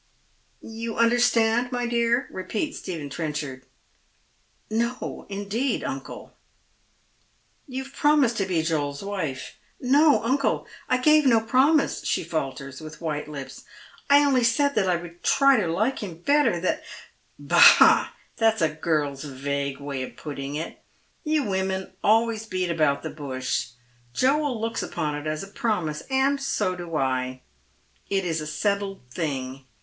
" You understand, my dear ?" repeat/j Gtephen Trenchard. " No, indeed, uncle." •* You have promised to be Joel's wife "" No, uncle, I gave no promise," she falters, with white lips. " I only said that I would try to like him better — that "" Bah I that's a girl's vague way of putting it. You women Gaining Time. 261 always beat about the bush. Joel looks upon it as a promise, and 80 do I. It is a settled thing.